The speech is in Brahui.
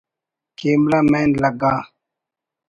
کیمرہ مین لگا